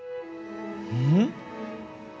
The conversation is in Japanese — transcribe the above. うん？